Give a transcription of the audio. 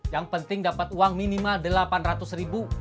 yang penting dapat uang minimal rp delapan ratus ribu